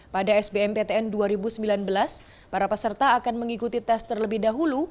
pada sbmptn dua ribu sembilan belas para peserta akan mengikuti tes terlebih dahulu